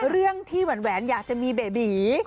เรื่องที่แหวนอยากจะมีเบบี